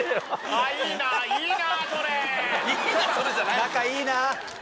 あいいな！